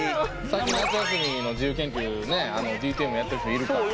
最近夏休みの自由研究ねＤＴＭやってる人いるから。